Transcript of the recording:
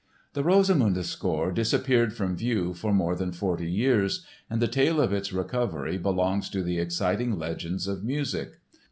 The Rosamunde score disappeared from view for more than forty years and the tale of its recovery belongs to the exciting legends of music.